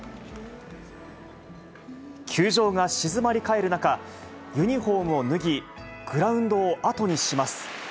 球場が静まり返る中、ユニホームを脱ぎ、グラウンドを後にします。